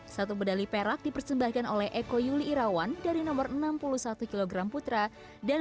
satu medali perak dipersembahkan oleh eko yuli irawan dari nomor enam puluh satu kg putra dan